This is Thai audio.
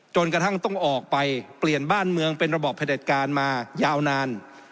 จนกระทั่งต้องออกไปเปลี่ยนบ้านเมืองเป็นระบอบผลิตการมายาวนาน